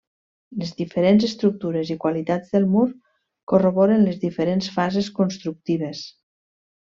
Les diferents estructures i qualitats del mur corroboren les diferents fases constructives.